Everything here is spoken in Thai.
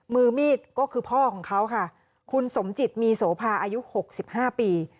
มือมีดก็คือพ่อของเขาค่ะคุณสมจิตมีโสภาอายุ๖๕ปี